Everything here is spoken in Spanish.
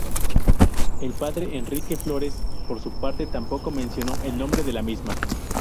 El padre Enrique Flórez, por su parte, tampoco mencionó el nombre de la misma.